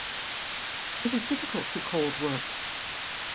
It is difficult to cold work.